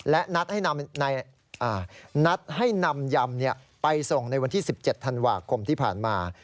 และนัดให้นำยำไปส่งในวันที่๑๗ธันวาคมที่ผ่านมา